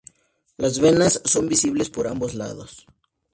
Las venas son visibles por ambos lados.